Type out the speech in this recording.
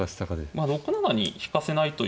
まあ６七に引かせないという。